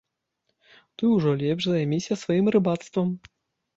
Ты ўжо лепш займіся сваім рыбацтвам.